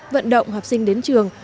vận động học sinh đến trường